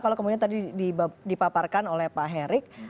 kalau kemudian tadi dipaparkan oleh pak herik